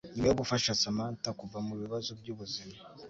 nyuma yo gufasha Samantha kuva mu bibazo byubuzima